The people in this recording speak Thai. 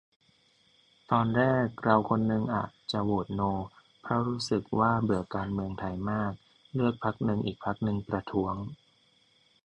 ตอนแรกเราคนนึงอะจะโหวตโน เพราะรู้สึกว่าเบื่อการเมืองไทยมากเลือกพรรคนึง อีกพรรคนึงประท้วง